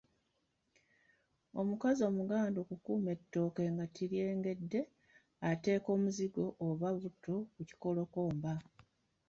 Omukazi Omuganda okukuuma ettooke nga teryengedde, ateeka omuzigo oba butto ku kikolokomba.